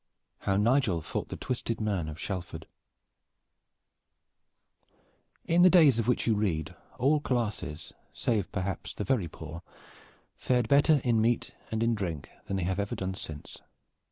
HOW NIGEL FOUGHT THE TWISTED MAN OF SHALFORD In the days of which you read all classes, save perhaps the very poor, fared better in meat and in drink than they have ever done since.